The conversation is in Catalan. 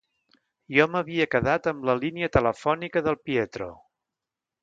Jo m’havia quedat amb la línia telefònica del Pietro.